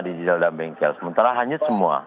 di daudah bengkel sementara hanyut semua